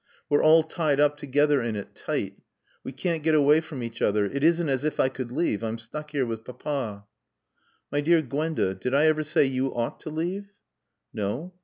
We're all tied up together in it, tight. We can't get away from each other. It isn't as if I could leave. I'm stuck here with Papa." "My dear Gwenda, did I ever say you ought to leave?" "No.